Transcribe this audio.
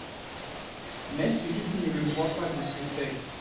Mais Philippe ne le voit pas de cet œil.